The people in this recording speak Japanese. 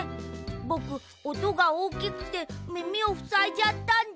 ぼくおとがおおきくてみみをふさいじゃったんだ。